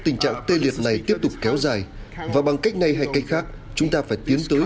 tình trạng tê liệt này tiếp tục kéo dài và bằng cách này hay cách khác chúng ta phải tiến tới